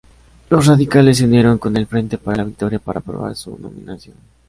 Los radicales se unieron con el Frente para la Victoria para aprobar su nominación.